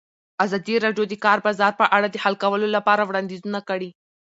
ازادي راډیو د د کار بازار په اړه د حل کولو لپاره وړاندیزونه کړي.